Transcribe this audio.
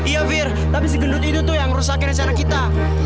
iya fir tapi si gendut itu tuh yang ngerusakin rencana kita